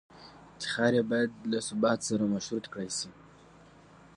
افتخار یې باید له ثبات سره مشروط کړای شي.